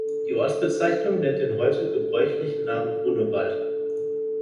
Die Ortsbezeichnung nennt den heute gebräuchliche Namen Grunewald.